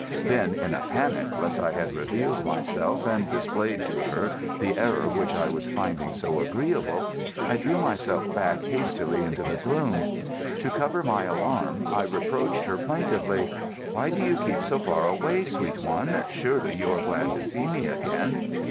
Then, in a panic lest I had revealed myself and displayed to her the error which I was finding so agreeable, I drew myself back hastily into the gloom. To cover my alarm I reproached her plaintively. "Why do you keep so far away, sweet one? Surely you are glad to see me again!"